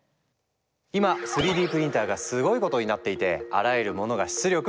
今３Ｄプリンターがすごいことになっていてあらゆるモノが出力可能！